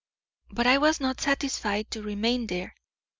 "But I was not satisfied to remain there.